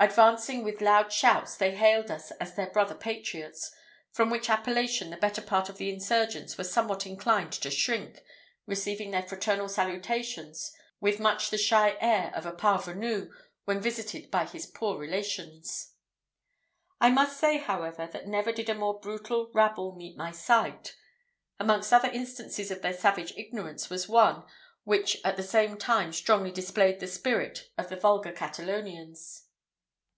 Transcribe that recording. Advancing with loud shouts, they hailed us as their brother patriots, from which appellation the better part of the insurgents were somewhat inclined to shrink, receiving their fraternal salutations with much the shy air of a parvenu when visited by his poor relations. I must say, however, that never did a more brutal rabble meet my sight. Amongst other instances of their savage ignorance was one, which at the same time strongly displayed the spirit of the vulgar Catalonians.